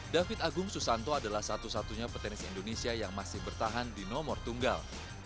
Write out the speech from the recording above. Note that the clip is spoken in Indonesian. david agung susanto adalah satu satunya petenis indonesia yang masih bertahan di nomor tunggal